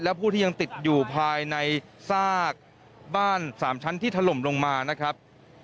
และผู้ที่ยังติดอยู่ภายในซากบ้าน๓ชั้นที่ถล่มลงมานะครับ